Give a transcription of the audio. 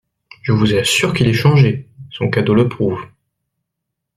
Je vous assure qu'il est changé ! Son cadeau le prouve.